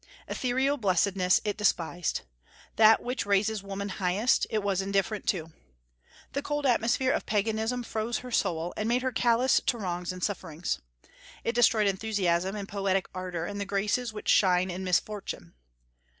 Ethereal blessedness it despised. That which raises woman highest, it was indifferent to. The cold atmosphere of Paganism froze her soul, and made her callous to wrongs and sufferings. It destroyed enthusiasm and poetic ardor and the graces which shine in misfortune.